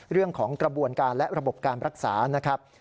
เรื่องของกระบวนการและระบบการรักษานะครับ